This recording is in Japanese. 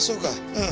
うん。